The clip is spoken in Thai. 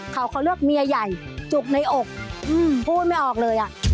เขาเลือกเมียใหญ่จุกในอกพูดไม่ออกเลย